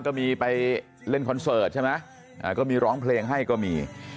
ก็มีไปเล่นคอนเสิร์ตใช่ไหมก็มีร้องเพลงให้ก็มี